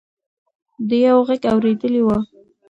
ده یو غږ اورېدلی و.